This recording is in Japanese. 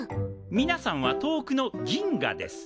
みなさんは遠くの銀河です。